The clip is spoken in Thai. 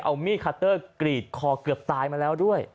เอามีดคัตเตอร์กรีดคอเกือบตายมาแล้วด้วย